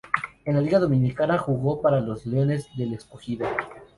En la Liga Dominicana jugó para los Leones del Escogido.